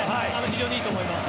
非常にいいと思います。